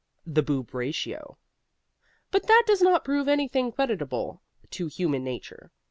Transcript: THE BOOB RATIO But that does not prove anything creditable to human nature.